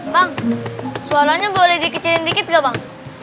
bang suaranya boleh dikecilin dikit gak bang